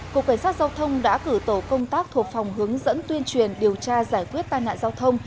cục cảnh sát giao thông đã cử tổ công tác thuộc phòng hướng dẫn tuyên truyền điều tra giải quyết tai nạn giao thông